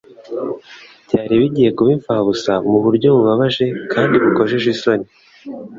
byari bigiye kuba imfabusa mu buryo bubabaje kandi bukojeje isoni.